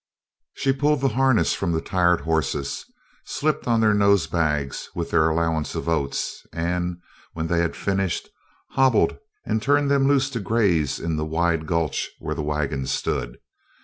She pulled the harness from the tired horses, slipped on their nose bags with their allowance of oats, and, when they had finished, hobbled and turned them loose to graze in the wide gulch where the wagon stood.